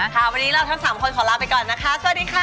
ค่ะวันนี้เราทั้ง๓คนขอลาไปก่อนนะคะสวัสดีค่ะ